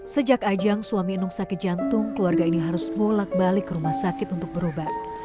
sejak ajang suami enung sakit jantung keluarga ini harus bolak balik ke rumah sakit untuk berobat